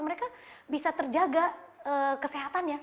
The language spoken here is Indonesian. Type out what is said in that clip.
mereka bisa terjaga kesehatannya